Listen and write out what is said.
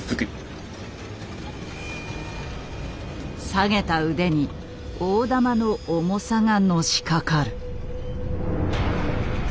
下げた腕に大玉の重さがのしかかる。